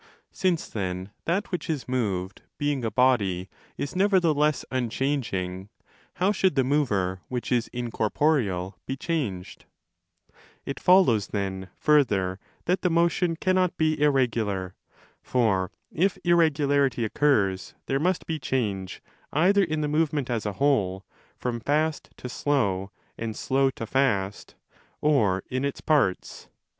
Since then that which is moved, 5 being a body, is nevertheless unchanging, how should the mover, which is incorporeal, be changed ? It follows then, further, that the motion cannot be irregular. For if irregularity occurs, there must be change either in the movement as a whole, from fast to slow and slow to fast, or in its parts.